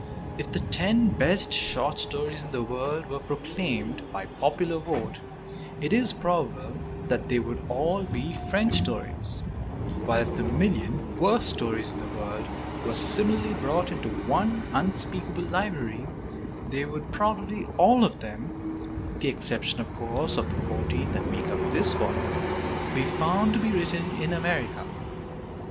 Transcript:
If the ten best short stories in the world were proclaimed by popular vote, it is probable that they would all be French stories; while if the million worst stories in the world were similarly brought together into one unspeakable library, they would probably all of them — with the exception, of course, of the fourteen that make up this volume — be found to be written in America.